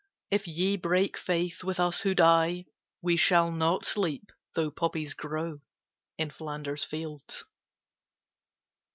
If ye break faith with us who die We shall not sleep, though poppies grow In Flanders fields.